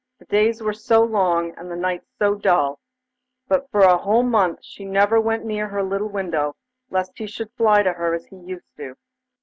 The days were so long, and the nights so dull, but for a whole month she never went near her little window lest he should fly to her as he used to do.